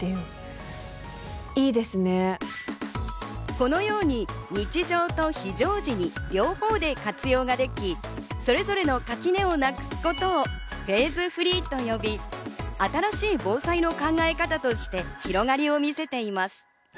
このように日常と非常時に両方で活用ができ、それぞれの垣根をなくすことをフェーズフリーと呼び、新しい防災の考え方として広がりを見せています。